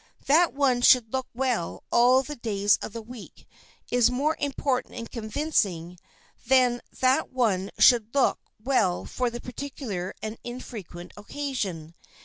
That one should look well all the days of the week is more important and convincing than that one should look well for the particular and infrequent occasion.